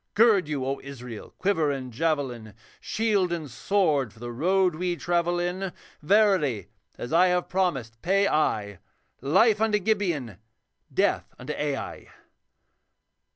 Gird you, O Israel, quiver and javelin, Shield and sword for the road we travel in; Verily, as I have promised, pay I Life unto Gibeon, death unto Ai.'